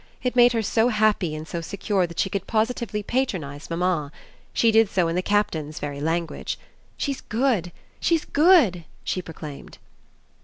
It made her so happy and so secure that she could positively patronise mamma. She did so in the Captain's very language. "She's good, she's good!" she proclaimed.